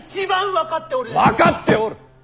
分かっておる。